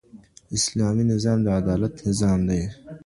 اسلامي نظام د عدالت نظام دی.